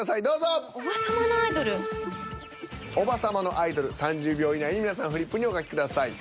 「おばさまのアイドル」３０秒以内に皆さんフリップにお書きください。